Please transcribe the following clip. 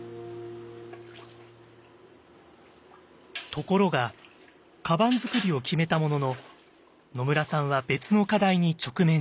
ところがかばん作りを決めたものの野村さんは別の課題に直面しました。